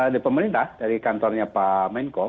di pemerintah dari kantornya pak menko